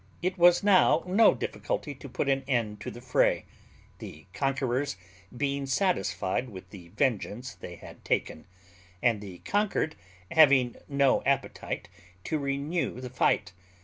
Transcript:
It was now no difficulty to put an end to the fray, the conquerors being satisfied with the vengeance they had taken, and the conquered having no appetite to renew the fight.